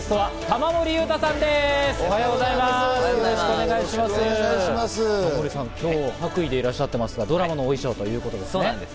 玉森さん、今日白衣でいらっしゃってますが、ドラマのお衣装ですね。